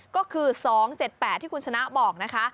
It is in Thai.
ก็คือ๒๗๘ที่คุณชนะบอกนะคะ